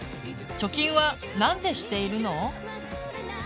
貯金はなんでしているの？